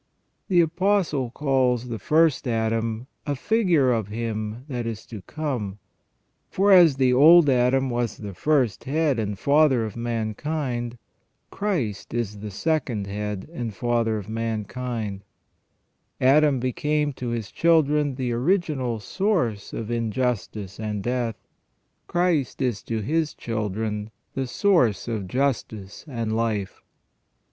The Apostle calls the first Adam " a figure of Him that is to come "; for as the old Adam was the first head and father of mankind, Christ is the second head and father of mankind, Adam became to his children the original source of injustice and death ; Christ is to His children the source of justice and life.